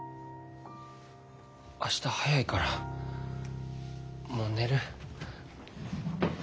明日早いからもう寝る。